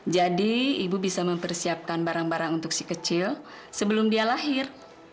ibu bisa mempersiapkan barang barang untuk si kecil sebelum dia lahir